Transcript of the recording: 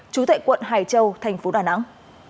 trú thệ quận hải châu thành phố đà nẵng